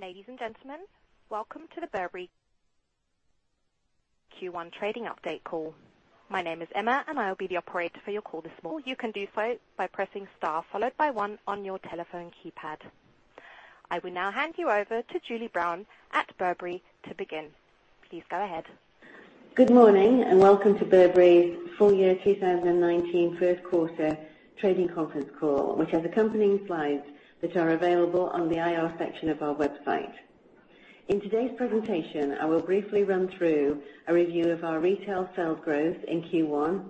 Ladies and gentlemen, welcome to the Burberry Q1 trading update call. My name is Emma, I will be the operator for your call this morning. You can do so by pressing star followed by one on your telephone keypad. I will now hand you over to Julie Brown at Burberry to begin. Please go ahead. Good morning, welcome to Burberry's full year 2019 first quarter trading conference call, which has accompanying slides that are available on the IR section of our website. In today's presentation, I will briefly run through a review of our retail sales growth in Q1,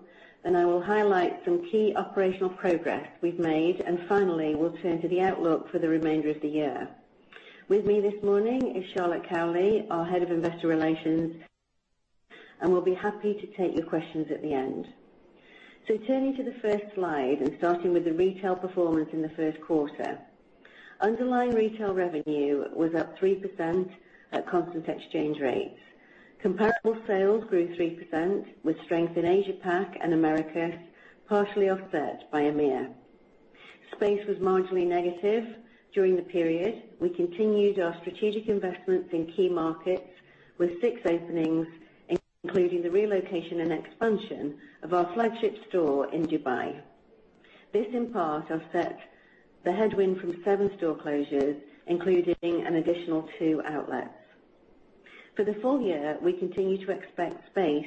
I will highlight some key operational progress we've made, finally, we'll turn to the outlook for the remainder of the year. With me this morning is Charlotte Cowley, our Head of Investor Relations, we'll be happy to take your questions at the end. Turning to the first slide and starting with the retail performance in the first quarter. Underlying retail revenue was up 3% at constant exchange rates. Comparable sales grew 3%, with strength in Asia-Pac and Americas partially offset by EMEIA. Space was marginally negative during the period. We continued our strategic investments in key markets with six openings, including the relocation and expansion of our flagship store in Dubai. This, in part, offset the headwind from seven store closures, including an additional two outlets. For the full year, we continue to expect space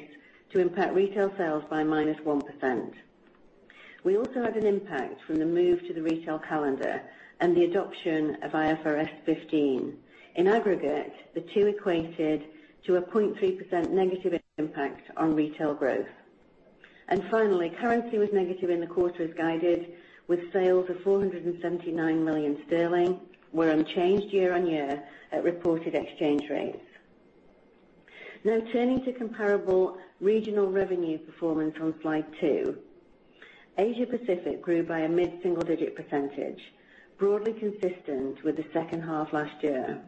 to impact retail sales by -1%. We also had an impact from the move to the retail calendar and the adoption of IFRS 15. In aggregate, the two equated to a 0.3% negative impact on retail growth. Finally, currency was negative in the quarter as guided with sales of 479 million sterling, were unchanged year-on-year at reported exchange rates. Turning to comparable regional revenue performance on slide two. Asia Pacific grew by a mid-single digit percentage, broadly consistent with the second half last year.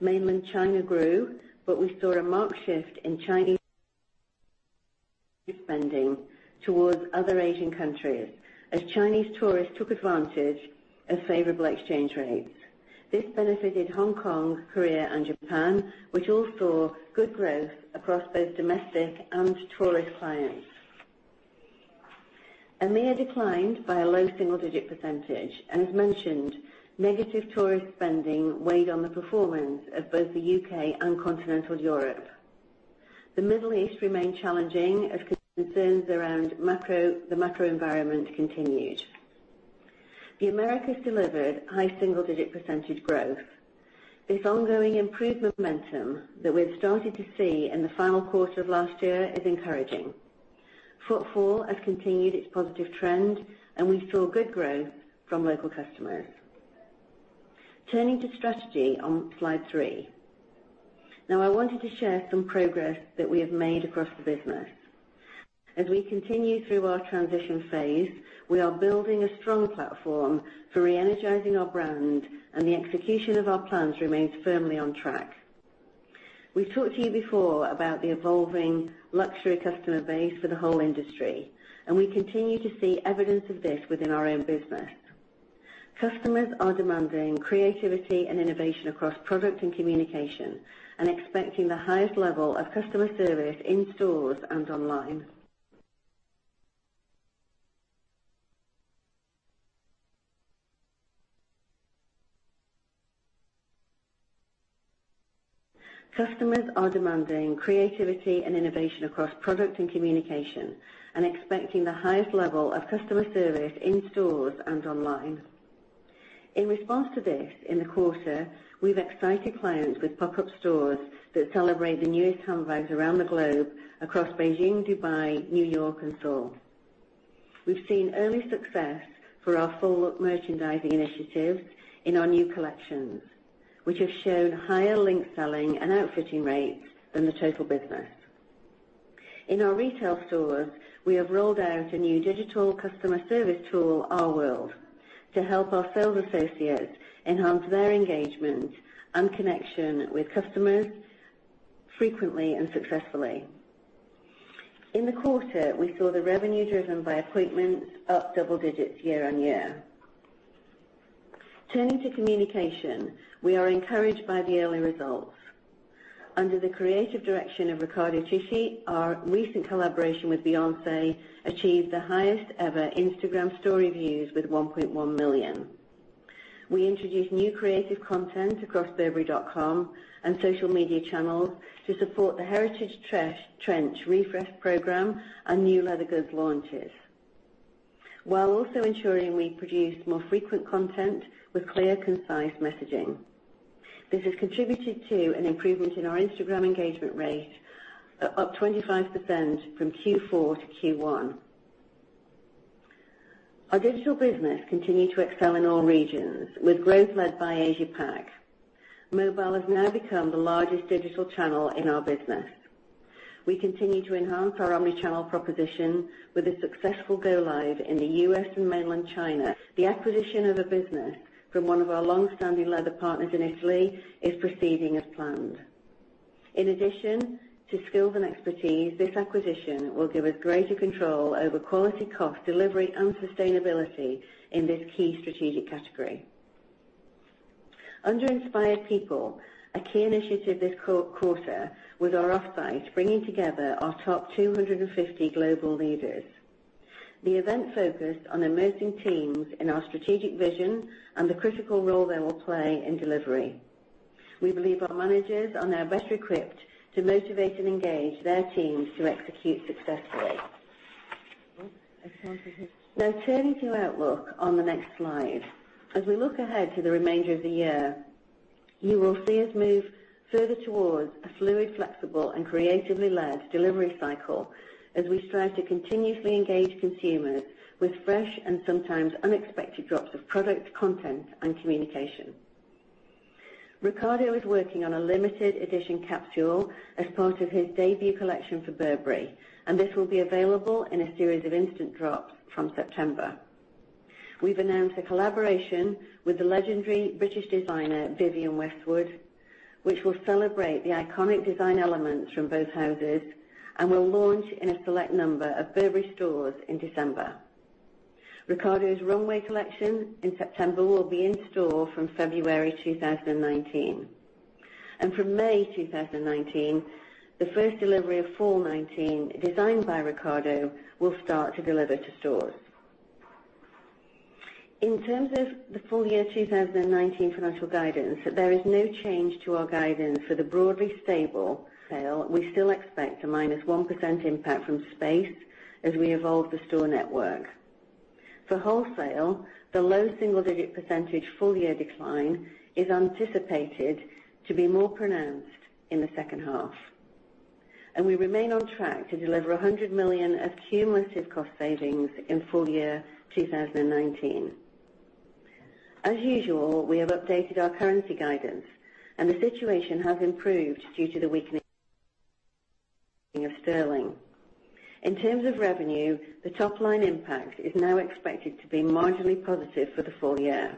Mainland China grew, we saw a marked shift in Chinese spending towards other Asian countries as Chinese tourists took advantage of favorable exchange rates. This benefited Hong Kong, Korea, and Japan, which all saw good growth across both domestic and tourist clients. EMEIA declined by a low single-digit percentage, as mentioned, negative tourist spending weighed on the performance of both the U.K. and continental Europe. The Middle East remained challenging as concerns around the macro environment continued. The Americas delivered high single-digit percentage growth. This ongoing improved momentum that we've started to see in the final quarter of last year is encouraging. Footfall has continued its positive trend, we saw good growth from local customers. Turning to strategy on slide three. I wanted to share some progress that we have made across the business. As we continue through our transition phase, we are building a strong platform for re-energizing our brand and the execution of our plans remains firmly on track. We've talked to you before about the evolving luxury customer base for the whole industry, and we continue to see evidence of this within our own business. Customers are demanding creativity and innovation across product and communication and expecting the highest level of customer service in stores and online. Customers are demanding creativity and innovation across product and communication and expecting the highest level of customer service in stores and online. In response to this, in the quarter, we've excited clients with pop-up stores that celebrate the newest handbags around the globe across Beijing, Dubai, New York, and Seoul. We've seen early success for our full-look merchandising initiative in our new collections, which have shown higher link selling and outfitting rates than the total business. In our retail stores, we have rolled out a new digital customer service tool, R World, to help our sales associates enhance their engagement and connection with customers frequently and successfully. In the quarter, we saw the revenue driven by appointments up double digits year-over-year. Turning to communication. We are encouraged by the early results. Under the creative direction of Riccardo Tisci, our recent collaboration with Beyoncé achieved the highest ever Instagram story views with 1.1 million. We introduced new creative content across burberry.com and social media channels to support the Heritage Trench refresh program and new leather goods launches, while also ensuring we produce more frequent content with clear, concise messaging. This has contributed to an improvement in our Instagram engagement rate, up 25% from Q4 to Q1. Our digital business continued to excel in all regions, with growth led by Asia-Pac. Mobile has now become the largest digital channel in our business. We continue to enhance our omni-channel proposition with a successful go live in the U.S. and mainland China. The acquisition of a business from one of our long-standing leather partners in Italy is proceeding as planned. In addition to skills and expertise, this acquisition will give us greater control over quality, cost, delivery, and sustainability in this key strategic category. Under inspired people, a key initiative this quarter was our offsite, bringing together our top 250 global leaders. The event focused on immersing teams in our strategic vision and the critical role they will play in delivery. We believe our managers are now better equipped to motivate and engage their teams to execute successfully. Turning to outlook on the next slide. As we look ahead to the remainder of the year, you will see us move further towards a fluid, flexible and creatively led delivery cycle as we strive to continuously engage consumers with fresh and sometimes unexpected drops of product, content, and communication. Riccardo is working on a limited edition capsule as part of his debut collection for Burberry, and this will be available in a series of instant drops from September. We've announced a collaboration with the legendary British designer Vivienne Westwood, which will celebrate the iconic design elements from both houses and will launch in a select number of Burberry stores in December. Riccardo's runway collection in September will be in store from February 2019. From May 2019, the first delivery of fall 2019, designed by Riccardo, will start to deliver to stores. In terms of the full year 2019 financial guidance, there is no change to our guidance for the broadly stable sale. We still expect a -1% impact from space as we evolve the store network. For wholesale, the low single-digit % full-year decline is anticipated to be more pronounced in the second half. We remain on track to deliver 100 million of cumulative cost savings in full year 2019. As usual, we have updated our currency guidance, the situation has improved due to the weakening of sterling. In terms of revenue, the top-line impact is now expected to be marginally positive for the full year.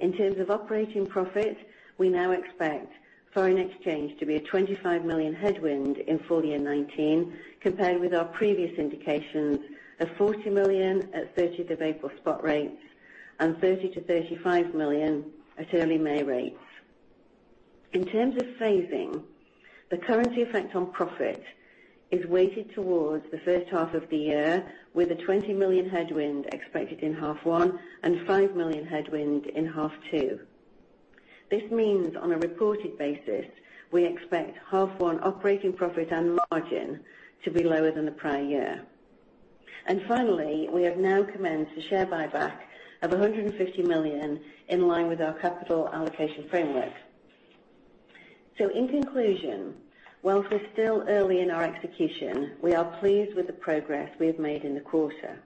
In terms of operating profit, we now expect foreign exchange to be a 25 million headwind in full year 2019, compared with our previous indications of 40 million at 30th of April spot rates and 30 million to 35 million at early May rates. In terms of phasing, the currency effect on profit is weighted towards the first half of the year, with a 20 million headwind expected in half one and 5 million headwind in half two. This means, on a reported basis, we expect half one operating profit and margin to be lower than the prior year. Finally, we have now commenced a share buyback of 150 million in line with our capital allocation framework. In conclusion, whilst we're still early in our execution, we are pleased with the progress we have made in the quarter.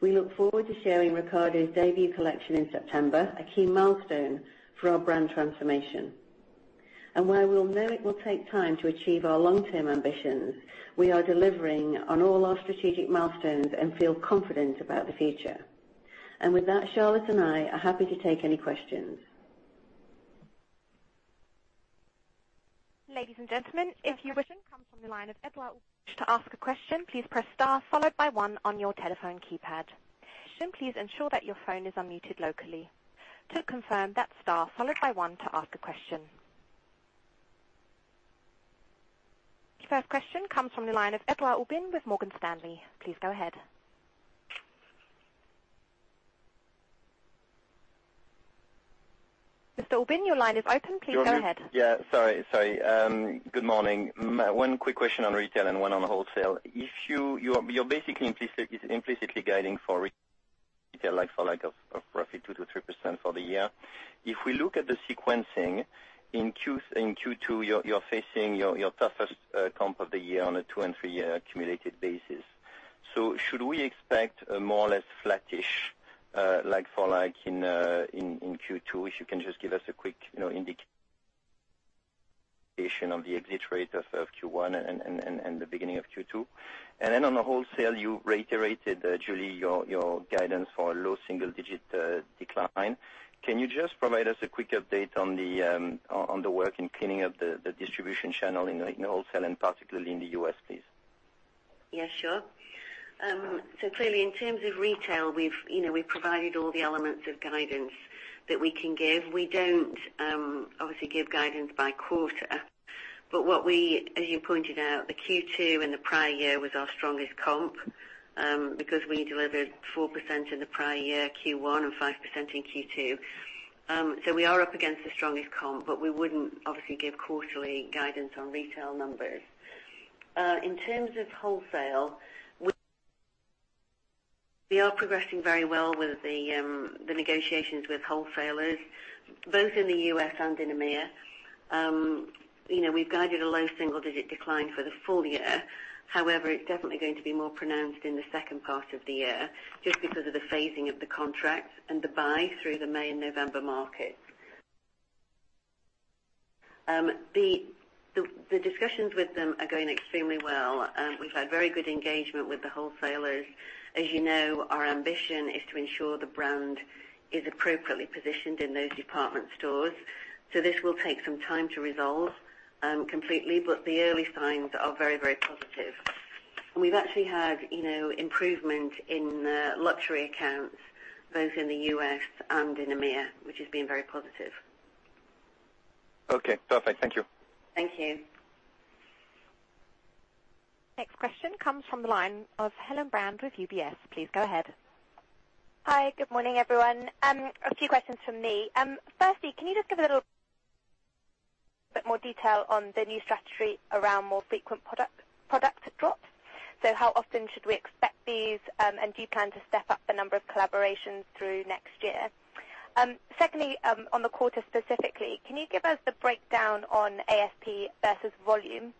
We look forward to sharing Riccardo's debut collection in September, a key milestone for our brand transformation. While we know it will take time to achieve our long-term ambitions, we are delivering on all our strategic milestones and feel confident about the future. With that, Charlotte and I are happy to take any questions. Ladies and gentlemen, if you wish to ask a question, please press star followed by one on your telephone keypad. Please ensure that your phone is unmuted locally. To confirm, that's star followed by one to ask a question. First question comes from the line of Edouard Aubin with Morgan Stanley. Please go ahead. Mr. Aubin, your line is open. Please go ahead. Yeah, sorry. Good morning. One quick question on retail and one on wholesale. You're basically implicitly guiding for retail, for lack of roughly 2% to 3% for the year. If we look at the sequencing, in Q2, you're facing your toughest comp of the year on a two- and three-year cumulative basis. Should we expect a more or less flattish like-for-like in Q2? If you can just give us a quick indication of the exit rate of Q1 and the beginning of Q2. On the wholesale, you reiterated, Julie, your guidance for a low single-digit decline. Can you just provide us a quick update on the work in cleaning up the distribution channel in the wholesale and particularly in the U.S., please? Yeah, sure. Clearly, in terms of retail, we've provided all the elements of guidance that we can give. We don't, obviously, give guidance by quarter. What we, as you pointed out, the Q2 in the prior year was our strongest comp because we delivered 4% in the prior year Q1 and 5% in Q2. We are up against the strongest comp, but we wouldn't obviously give quarterly guidance on retail numbers. In terms of wholesale, we are progressing very well with the negotiations with wholesalers, both in the U.S. and in EMEA. We've guided a low single-digit decline for the full year. However, it's definitely going to be more pronounced in the second part of the year just because of the phasing of the contracts and the buy through the May and November markets. The discussions with them are going extremely well. We've had very good engagement with the wholesalers. As you know, our ambition is to ensure the brand is appropriately positioned in those department stores. This will take some time to resolve completely, but the early signs are very positive. We've actually had improvement in the luxury accounts, both in the U.S. and in EMEA, which has been very positive. Okay, perfect. Thank you. Thank you. Next question comes from the line of Helen Brand with UBS. Please go ahead. Hi. Good morning, everyone. A few questions from me. Firstly, can you just give a little bit more detail on the new strategy around more frequent product drops? How often should we expect these, and do you plan to step up the number of collaborations through next year? Secondly, on the quarter specifically, can you give us the breakdown on ASP versus volume?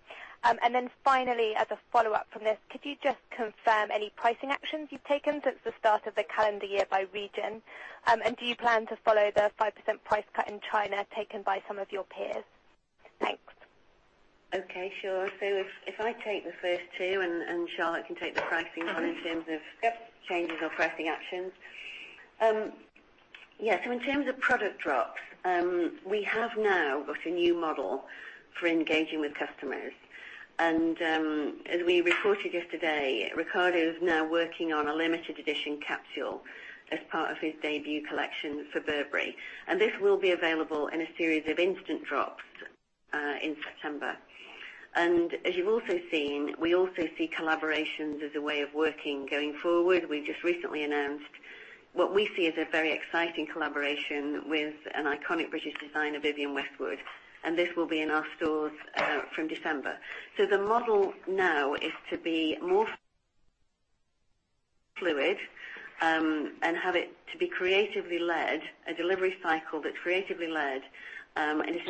Finally, as a follow-up from this, could you just confirm any pricing actions you've taken since the start of the calendar year by region? Do you plan to follow the 5% price cut in China taken by some of your peers? Thanks. Okay, sure. If I take the first two, and Charlotte can take the pricing one in terms of- Yep changes or pricing actions. Yeah. As we reported yesterday, Riccardo is now working on a limited edition capsule as part of his debut collection for Burberry, and this will be available in a series of instant drops, in September. As you've also seen, we also see collaborations as a way of working going forward. We just recently announced what we see as a very exciting collaboration with an iconic British designer, Vivienne Westwood, and this will be in our stores from December. It is a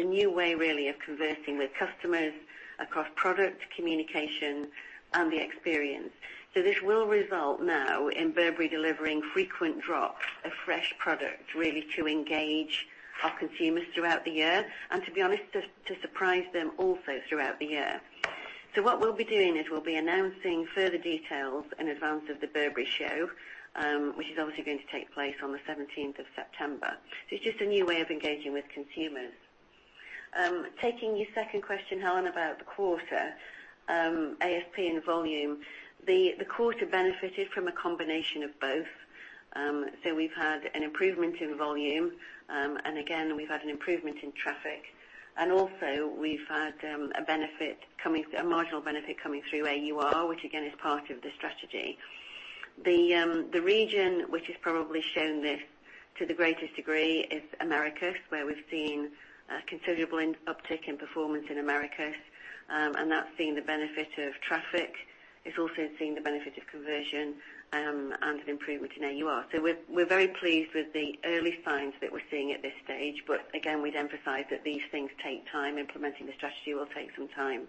new way, really, of conversing with customers across product communication and the experience. This will result now in Burberry delivering frequent drops of fresh product, really to engage our consumers throughout the year and, to be honest, to surprise them also throughout the year. What we will be doing is we will be announcing further details in advance of the Burberry show, which is obviously going to take place on the 17th of September. It is just a new way of engaging with consumers. Taking your second question, Helen, about the quarter, ASP and volume. The quarter benefited from a combination of both. We have had an improvement in volume, and again, we have had an improvement in traffic. Also we have had a marginal benefit coming through AUR, which again, is part of the strategy. The region which has probably shown this to the greatest degree is Americas, where we have seen a considerable uptick in performance in Americas. That has seen the benefit of traffic. It has also seen the benefit of conversion, and an improvement in AUR. We are very pleased with the early signs that we are seeing at this stage. Again, we would emphasize that these things take time. Implementing the strategy will take some time.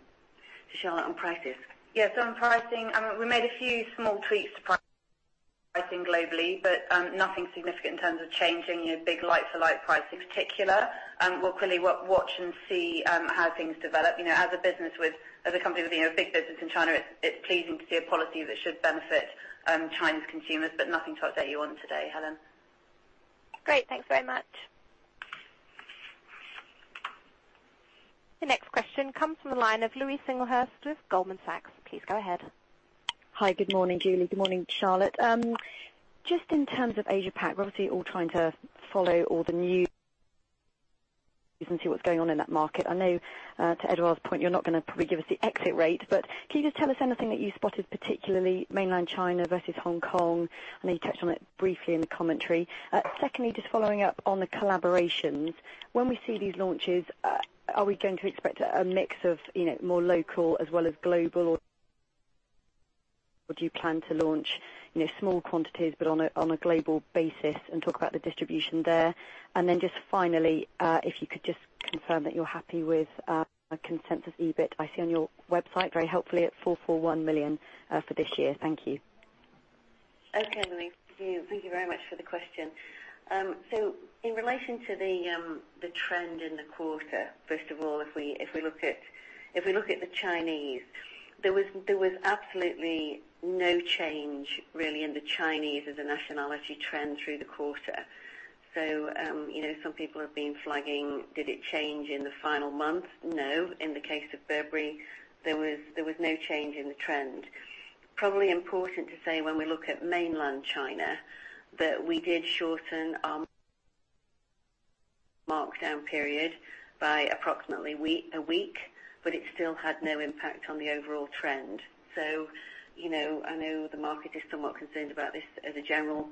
To Charlotte on prices. Yeah. On pricing, we made a few small tweaks to pricing globally, but nothing significant in terms of changing big like-for-like price in particular. We will clearly watch and see how things develop. As a company with a big business in China, it is pleasing to see a policy that should benefit China's consumers, but nothing to update you on today, Helen. Great. Thanks very much. The next question comes from the line of Louise Singlehurst with Goldman Sachs. Please go ahead. Hi. Good morning, Julie. Good morning, Charlotte. Just in terms of Asia Pac, we're obviously all trying to follow all the news and see what's going on in that market. I know, to Edouard's point, you're not going to probably give us the exit rate, but can you just tell us anything that you spotted, particularly mainland China versus Hong Kong? I know you touched on it briefly in the commentary. Secondly, just following up on the collaborations. When we see these launches, are we going to expect a mix of more local as well as global, or do you plan to launch small quantities but on a global basis and talk about the distribution there? Then just finally, if you could just confirm that you're happy with consensus EBIT. I see on your website very helpfully at 441 million for this year. Thank you. Okay, Louise. Thank you very much for the question. In relation to the trend in the quarter, first of all, if we look at the Chinese, there was absolutely no change really in the Chinese as a nationality trend through the quarter. Some people have been flagging, did it change in the final month? No. In the case of Burberry, there was no change in the trend. Probably important to say when we look at mainland China, that we did shorten our markdown period by approximately a week, but it still had no impact on the overall trend. I know the market is somewhat concerned about this as a general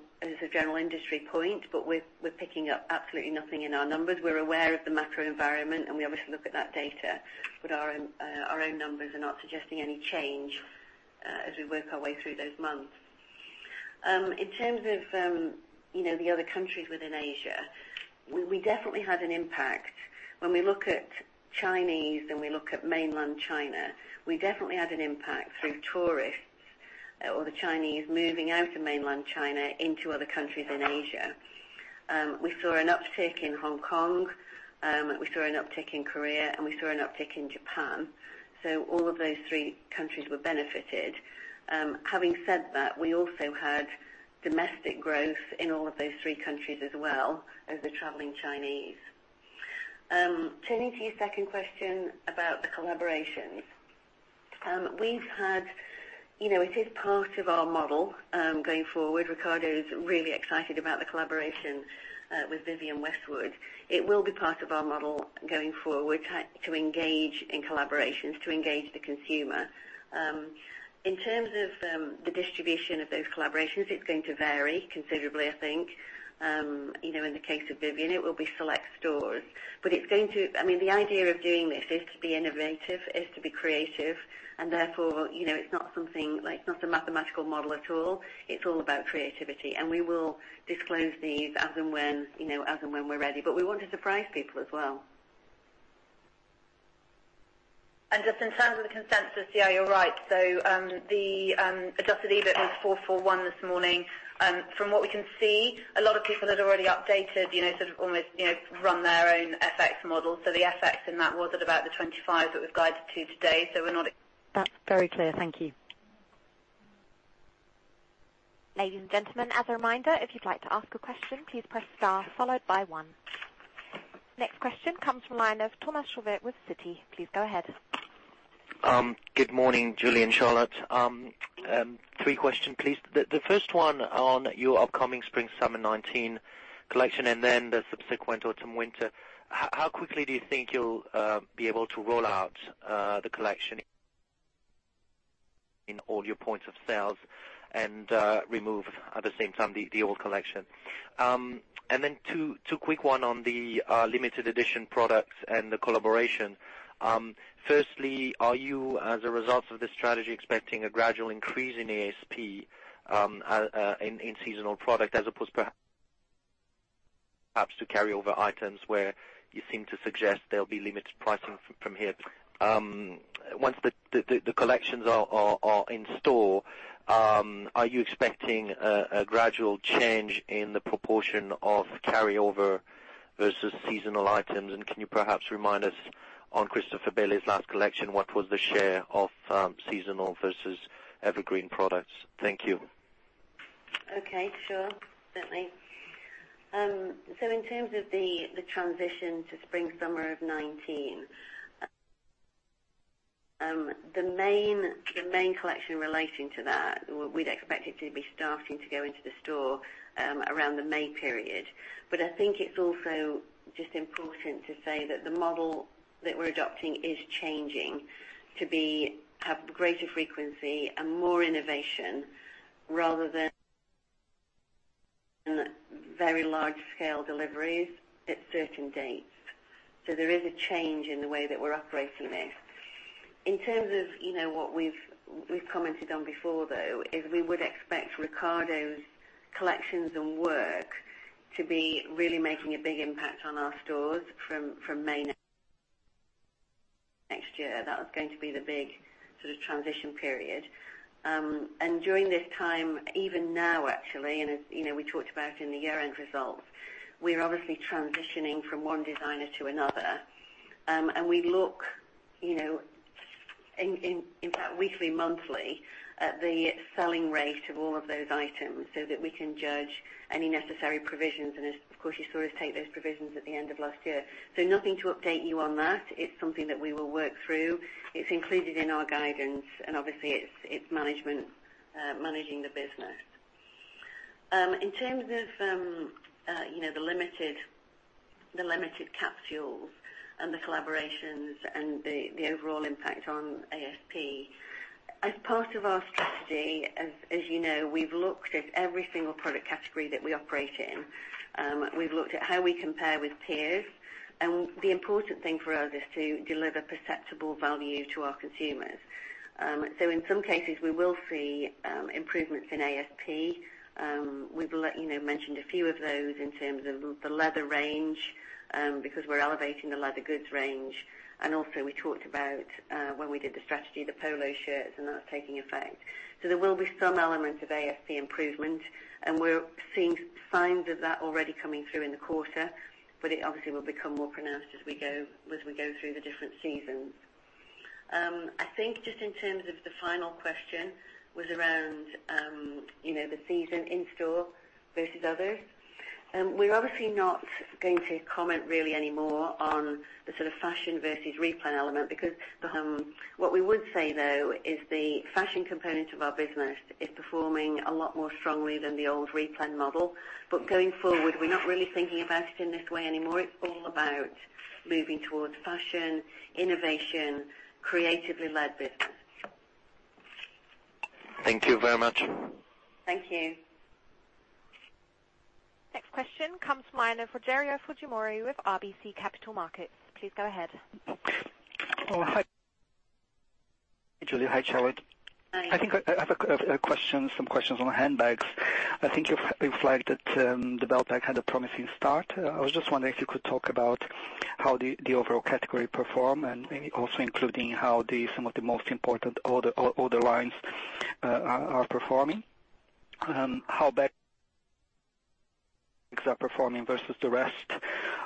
industry point, but we're picking up absolutely nothing in our numbers. We're aware of the macro environment. We obviously look at that data, our own numbers are not suggesting any change as we work our way through those months. In terms of the other countries within Asia, we definitely had an impact. When we look at Chinese and we look at mainland China, we definitely had an impact through tourists or the Chinese moving out of mainland China into other countries in Asia. We saw an uptick in Hong Kong, we saw an uptick in Korea, and we saw an uptick in Japan. All of those three countries were benefited. Having said that, we also had domestic growth in all of those three countries as well as the traveling Chinese. Turning to your second question about the collaborations. It is part of our model going forward. Riccardo is really excited about the collaboration with Vivienne Westwood. It will be part of our model going forward to engage in collaborations, to engage the consumer. In terms of the distribution of those collaborations, it's going to vary considerably, I think. In the case of Vivienne, it will be select stores. The idea of doing this is to be innovative, is to be creative. Therefore, it's not a mathematical model at all. It's all about creativity. We will disclose these as and when we're ready. We want to surprise people as well. Just in terms of the consensus, yeah, you're right. The adjusted EBIT was 441 this morning. From what we can see, a lot of people had already updated, sort of almost run their own FX model. The FX in that was at about the 25 that we've guided to today. That's very clear. Thank you. Ladies and gentlemen, as a reminder, if you'd like to ask a question, please press star followed by one. Next question comes from line of Thomas Chauvet with Citi. Please go ahead. Good morning, Julie and Charlotte. Three questions, please. The first one on your upcoming spring-summer 2019 collection, then the subsequent autumn-winter. How quickly do you think you'll be able to roll out the collection in all your points of sales and remove, at the same time, the old collection? Two quick ones on the limited edition products and the collaboration. Firstly, are you, as a result of this strategy, expecting a gradual increase in ASP in seasonal product, as opposed perhaps to carry-over items where you seem to suggest there'll be limited pricing from here? Once the collections are in store, are you expecting a gradual change in the proportion of carry-over versus seasonal items? Can you perhaps remind us on Christopher Bailey's last collection, what was the share of seasonal versus evergreen products? Thank you. Okay. Sure. Certainly. In terms of the transition to spring-summer of 2019, the main collection relating to that, we'd expect it to be starting to go into the store around the May period. I think it's also just important to say that the model that we're adopting is changing to have greater frequency and more innovation rather than very large-scale deliveries at certain dates. There is a change in the way that we're operating this. In terms of what we've commented on before, though, is we would expect Riccardo's collections and work to be really making a big impact on our stores from May next year. That was going to be the big sort of transition period. During this time, even now, actually, as we talked about in the year-end results, we're obviously transitioning from one designer to another. We look in fact weekly, monthly, at the selling rate of all of those items so that we can judge any necessary provisions. Of course, you saw us take those provisions at the end of last year. Nothing to update you on that. It's something that we will work through. It's included in our guidance, and obviously it's management managing the business. In terms of the limited capsules and the collaborations and the overall impact on ASP. As part of our strategy, as you know, we've looked at every single product category that we operate in. We've looked at how we compare with peers. The important thing for us is to deliver perceptible value to our consumers. In some cases, we will see improvements in ASP. We've mentioned a few of those in terms of the leather range, because we're elevating the leather goods range. Also we talked about when we did the strategy, the polo shirts, and that's taking effect. There will be some element of ASP improvement, and we're seeing signs of that already coming through in the quarter, but it obviously will become more pronounced as we go through the different seasons. I think just in terms of the final question was around the season in-store versus others. We're obviously not going to comment really any more on the sort of fashion versus replan element because. What we would say, though, is the fashion component of our business is performing a lot more strongly than the old replan model. Going forward, we're not really thinking about it in this way anymore. It's all about moving towards fashion, innovation, creatively led business. Thank you very much. Thank you. Next question comes from line of Rogerio Fujimori with RBC Capital Markets. Please go ahead. Oh, hi. Hi, Julie. Hi, Charlotte. Hi. I think I have some questions on handbags. I think you've flagged that the Belt Bag had a promising start. I was just wondering if you could talk about how the overall category perform, also including how some of the most important order lines are performing. How bags are performing versus the rest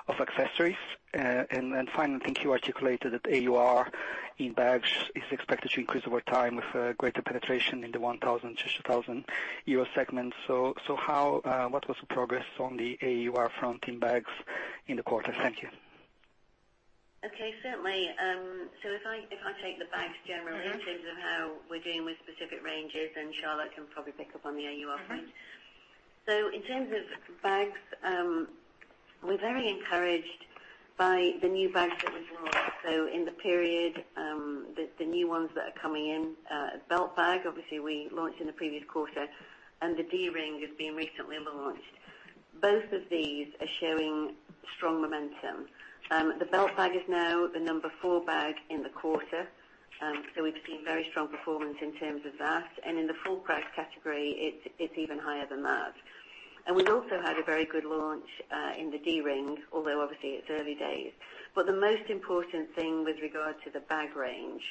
of accessories. Finally, I think I articulated that AUR in bags is expected to increase over time with greater penetration in the 1,000-2,000 euro segments. What was the progress on the AUR front in bags in the quarter? Thank you. Okay, certainly. If I take the bags generally in terms of how we're doing with specific ranges, Charlotte can probably pick up on the AUR point. In terms of bags, we're very encouraged by the new bags that we've launched. In the period, the new ones that are coming in, Belt Bag, obviously we launched in the previous quarter, and the D-Ring has been recently launched. Both of these are showing strong momentum. The Belt Bag is now the number 4 bag in the quarter, we've seen very strong performance in terms of that. In the full price category, it's even higher than that. We've also had a very good launch in the D-Ring, although obviously it's early days. The most important thing with regard to the bag range,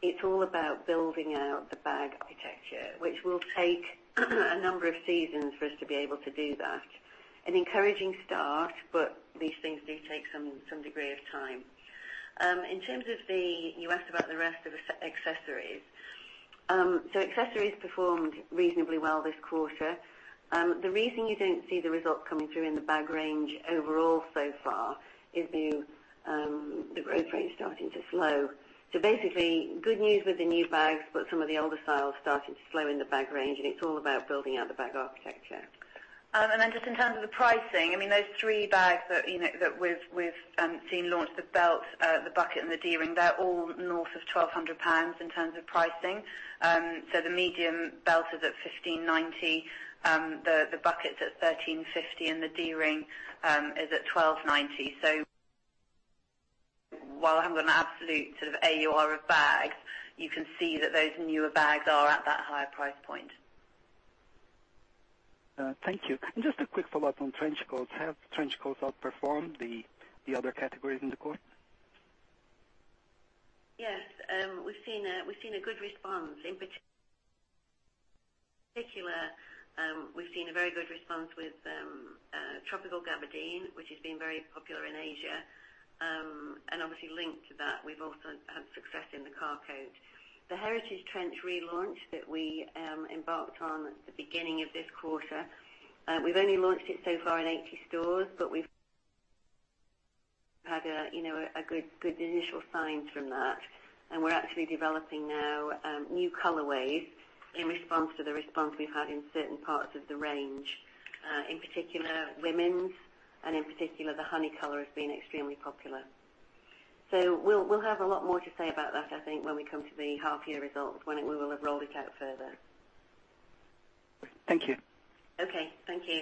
it's all about building out the bag architecture, which will take a number of seasons for us to be able to do that. An encouraging start, these things do take some degree of time. You asked about the rest of accessories. Accessories performed reasonably well this quarter. The reason you don't see the results coming through in the bag range overall so far is the growth rate is starting to slow. Basically, good news with the new bags, some of the older styles starting to slow in the bag range, it's all about building out the bag architecture. Just in terms of the pricing, those three bags that we have seen launched, the Belt Bag, the Bucket Bag, and the D-Ring, they are all north of 1,200 pounds in terms of pricing. The medium Belt Bag is at 1,590, the Bucket Bag is at 1,350, and the D-Ring is at 1,290. While I have not got an absolute sort of AUR of bags, you can see that those newer bags are at that higher price point. Thank you. Just a quick follow-up on trench coats. Have trench coats outperformed the other categories in the quarter? Yes. We have seen a good response. In particular, we have seen a very good response with Tropical Gabardine, which has been very popular in Asia. Obviously linked to that, we have also had success in the Car Coat. The Heritage Trench relaunch that we embarked on at the beginning of this quarter, we have only launched it so far in 80 stores, but we have had good initial signs from that. We are actually developing now new colorways in response to the response we have had in certain parts of the range. In particular, women's, and in particular, the honey color has been extremely popular. We will have a lot more to say about that, I think, when we come to the half year results, when we will have rolled it out further. Thank you. Okay. Thank you.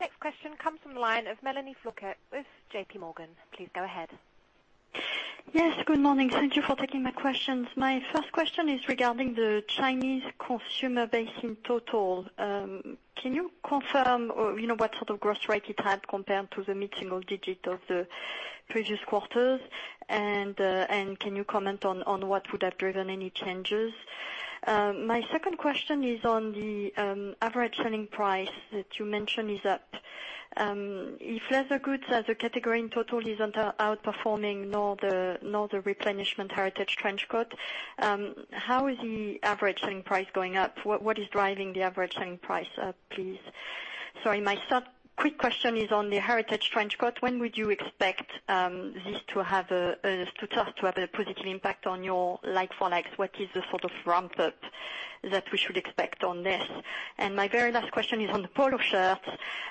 Next question comes from the line of Melanie Flouquet with JP Morgan. Please go ahead. Yes, good morning. Thank you for taking my questions. My first question is regarding the Chinese consumer base in total. Can you confirm what sort of growth rate it had compared to the mid-single digit of the previous quarters? Can you comment on what would have driven any changes? My second question is on the average selling price that you mentioned is up. If leather goods as a category in total isn't outperforming nor the replenishment Heritage Trench, how is the average selling price going up? What is driving the average selling price up, please? Sorry, my third quick question is on the Heritage Trench. When would you expect this to have a positive impact on your like-for-like? What is the sort of ramp up that we should expect on this? My very last question is on the polo shirts.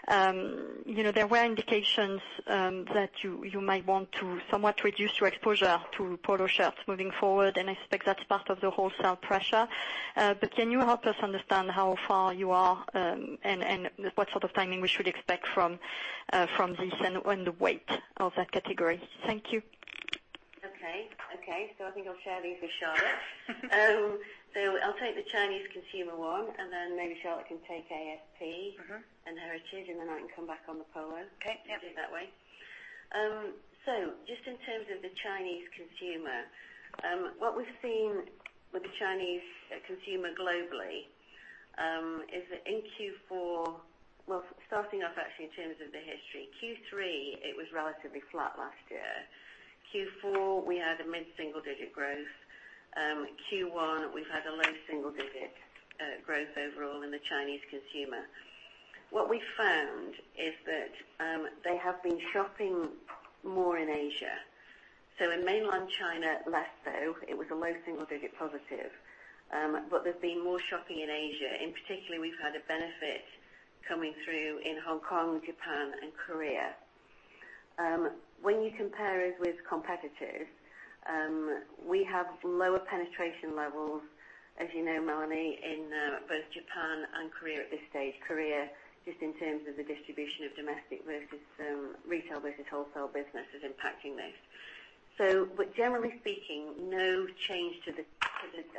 There were indications that you might want to somewhat reduce your exposure to polo shirts moving forward, and I suspect that's part of the wholesale pressure. Can you help us understand how far you are, and what sort of timing we should expect from this, and the weight of that category? Thank you. Okay. I think I'll share these with Charlotte. I'll take the Chinese consumer one, and then maybe Charlotte can take ASP and heritage, and I can come back on the polo. Okay. Yep. Do it that way. Just in terms of the Chinese consumer, what we've seen with the Chinese consumer globally is that in Q4, starting off in terms of the history. Q3, it was relatively flat last year. Q4, we had a mid-single digit growth. Q1, we've had a low single digit growth overall in the Chinese consumer. What we found is that they have been shopping more in Asia. In mainland China, less so. It was a low single digit positive. There's been more shopping in Asia. In particular, we've had a benefit coming through in Hong Kong, Japan, and Korea. When you compare us with competitors, we have lower penetration levels, as you know, Melanie, in both Japan and Korea at this stage. Korea, just in terms of the distribution of domestic versus retail versus wholesale business is impacting this. Generally speaking, no change to the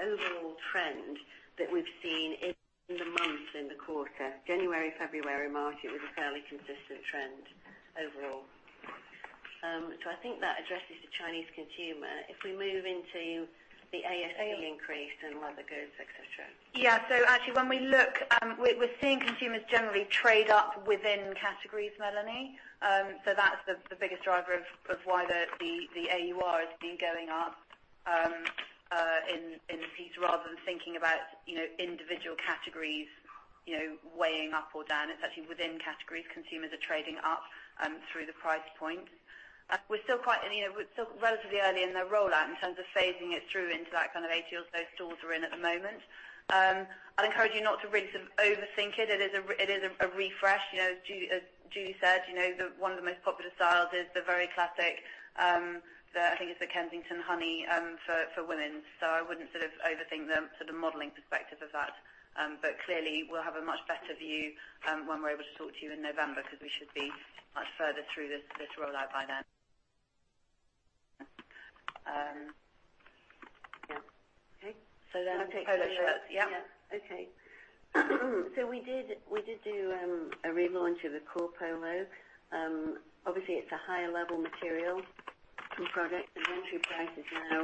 overall trend that we've seen in the months in the quarter. January, February, March, it was a fairly consistent trend overall. I think that addresses the Chinese consumer. If we move into the ASP increase in leather goods, et cetera. Actually, when we look, we're seeing consumers generally trade up within categories, Melanie. That's the biggest driver of why the AUR has been going up. In the piece, rather than thinking about individual categories weighing up or down, it's actually within categories, consumers are trading up through the price points. We're still relatively early in the rollout in terms of phasing it through into that 80 or so stores we're in at the moment. I'd encourage you not to really overthink it. It is a refresh. As Julie said, one of the most popular styles is the very classic, I think it's the Kensington Honey, for women. I wouldn't overthink the modeling perspective of that. Clearly, we'll have a much better view when we're able to talk to you in November, because we should be much further through this rollout by then. Then polo shirts. Yeah. We did do a relaunch of the core polo. Obviously, it's a higher level material and product. The entry price is now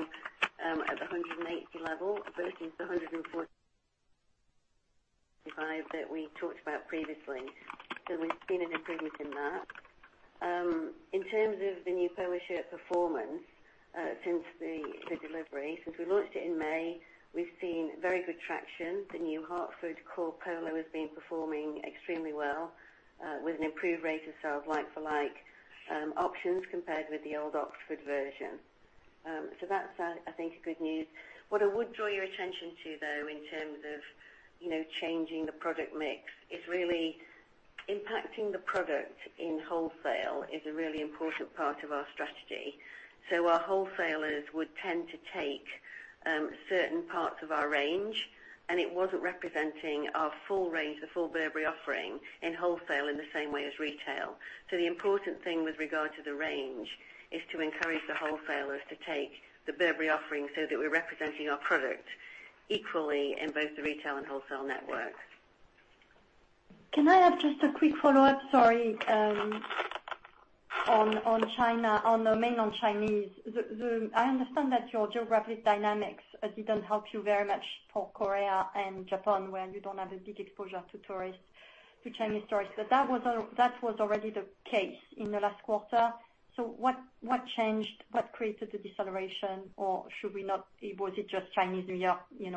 at the 180 level versus the 145 that we talked about previously. We've seen an improvement in that. In terms of the new polo shirt performance since the delivery, since we launched it in May, we've seen very good traction. The new Hartford core polo has been performing extremely well, with an improved rate of sale like-for-like options compared with the old Oxford version. That's, I think, good news. What I would draw your attention to, though, in terms of changing the product mix, is really impacting the product in wholesale is a really important part of our strategy. Our wholesalers would tend to take certain parts of our range, and it wasn't representing our full range, the full Burberry offering, in wholesale in the same way as retail. The important thing with regard to the range is to encourage the wholesalers to take the Burberry offering so that we're representing our product equally in both the retail and wholesale networks. Can I have just a quick follow-up? Sorry. On China, on the mainland Chinese. I understand that your geographic dynamics didn't help you very much for Korea and Japan, where you don't have a big exposure to Chinese tourists. That was already the case in the last quarter. What changed? What created the deceleration, or was it just Chinese New Year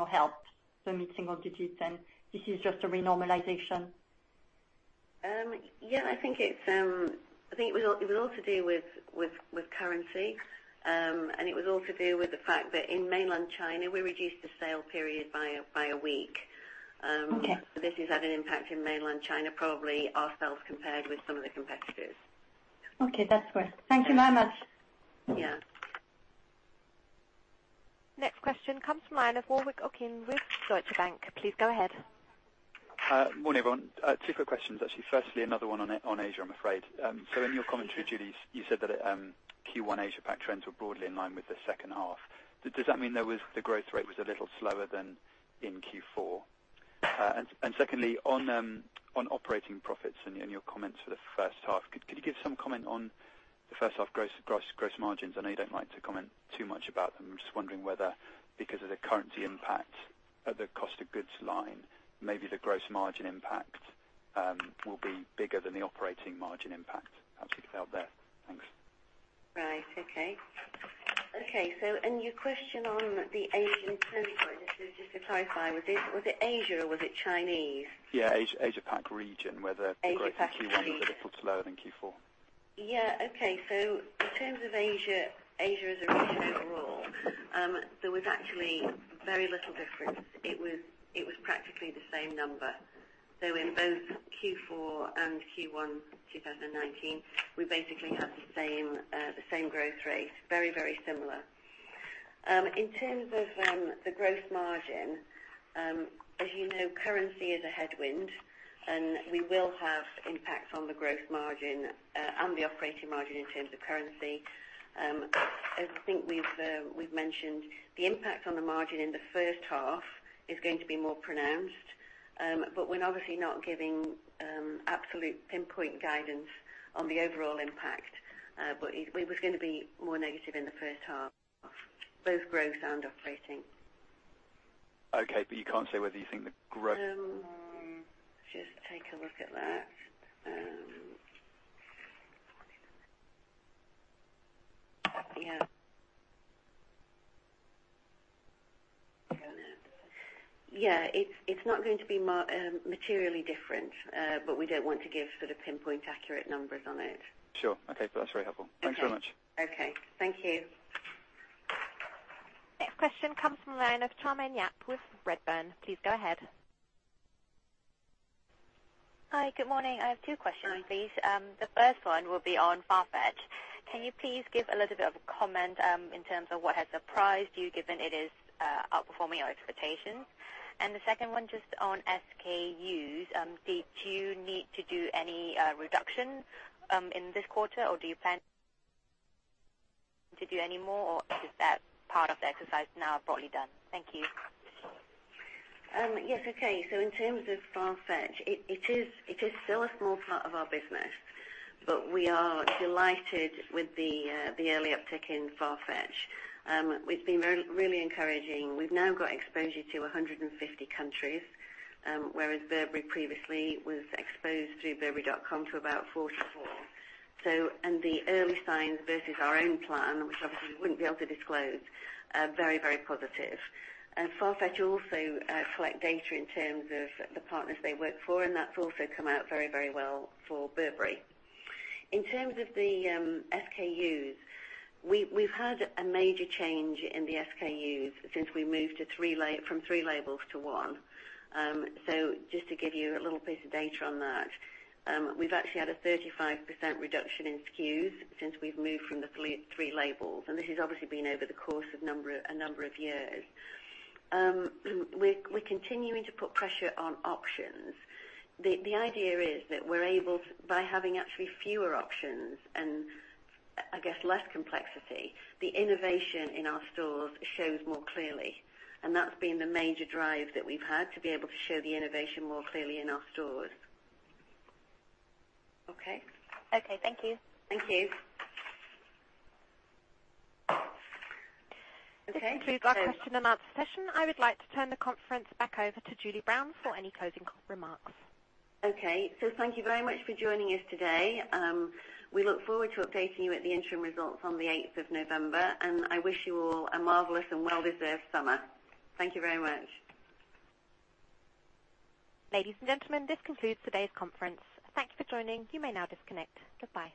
helped them hit single digits, and this is just a renormalization? Yeah, I think it was all to do with currency, and it was all to do with the fact that in mainland China, we reduced the sale period by a week. Okay. This has had an impact in mainland China, probably ourselves compared with some of the competitors. Okay. That's clear. Thank you very much. Yeah. Next question comes from the line of Warwick Okines with Deutsche Bank. Please go ahead. Morning, everyone. Two quick questions, actually. Firstly, another one on Asia, I'm afraid. In your commentary, Julie, you said that Q1 Asia pac trends were broadly in line with the second half. Does that mean the growth rate was a little slower than in Q4? Secondly, on operating profits and your comments for the first half, could you give some comment on the first half gross margins? I know you don't like to comment too much about them. I'm just wondering whether because of the currency impact at the cost of goods line, maybe the gross margin impact will be bigger than the operating margin impact. Happy to help there. Thanks. Right. Okay. Your question on the Asian sorry, just to clarify, was it Asia or was it Chinese? Yeah, Asia pac region. Asia pac region. The growth in Q1 was a little slower than in Q4. In terms of Asia as a retail role, there was actually very little difference. It was practically the same number. In both Q4 and Q1 2019, we basically had the same growth rate. Very, very similar. In terms of the gross margin, as you know, currency is a headwind, and we will have impacts on the gross margin and the operating margin in terms of currency. As I think we've mentioned, the impact on the margin in the first half is going to be more pronounced. We're obviously not giving absolute pinpoint guidance on the overall impact. It was going to be more negative in the first half, both gross and operating. You can't say whether you think the. Just take a look at that. Yeah. Yeah. It's not going to be materially different, but we don't want to give pinpoint-accurate numbers on it. Sure. Okay. That's very helpful. Okay. Thanks very much. Okay. Thank you. Next question comes from the line of Charmaine Yap with Redburn. Please go ahead. Hi, good morning. I have two questions, please. The first one will be on Farfetch. Can you please give a little bit of a comment in terms of what has surprised you, given it is outperforming your expectations? The second one, just on SKUs, did you need to do any reduction in this quarter, or do you plan to do any more, or is that part of the exercise now broadly done? Thank you. Yes. Okay. In terms of Farfetch, it is still a small part of our business, but we are delighted with the early uptick in Farfetch. We've been really encouraging. We've now got exposure to 150 countries, whereas Burberry previously was exposed through burberry.com to about 44. The early signs versus our own plan, which obviously we wouldn't be able to disclose, very, very positive. Farfetch also collect data in terms of the partners they work for, and that's also come out very, very well for Burberry. In terms of the SKUs, we've had a major change in the SKUs since we moved from three labels to one. Just to give you a little bit of data on that, we've actually had a 35% reduction in SKUs since we've moved from the three labels, and this has obviously been over the course of a number of years. We're continuing to put pressure on options. The idea is that we're able, by having actually fewer options and I guess less complexity, the innovation in our stores shows more clearly. That's been the major drive that we've had, to be able to show the innovation more clearly in our stores. Okay. Okay. Thank you. Thank you. Okay. This concludes our question and answer session. I would like to turn the conference back over to Julie Brown for any closing remarks. Thank you very much for joining us today. We look forward to updating you at the interim results on the 8th of November, and I wish you all a marvelous and well-deserved summer. Thank you very much. Ladies and gentlemen, this concludes today's conference. Thank you for joining. You may now disconnect. Goodbye.